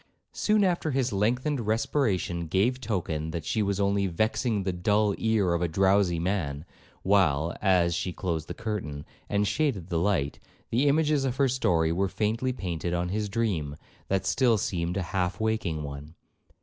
Soon after his lengthened respiration gave token that she was only 'vexing the dull ear of a drowsy man;' while, as she closed the curtain, and shaded the light, the images of her story were faintly painted on his dream, that still seemed half a waking one.